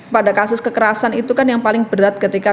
pada kasus kekerasan itu kan yang paling berat ketika